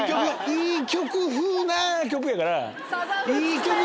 いい曲風な曲やから。